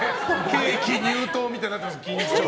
ケーキ入刀みたいになってます。